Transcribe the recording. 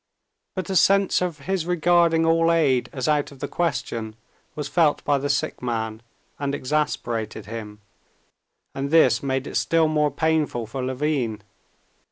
But a sense of his regarding all aid as out of the question was felt by the sick man, and exasperated him. And this made it still more painful for Levin.